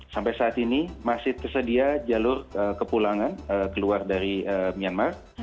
sampai saat ini masih tersedia jalur kepulangan keluar dari myanmar